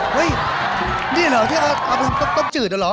เฮ้ยนี่เหรอที่เอาไปต้มจืดเหรอ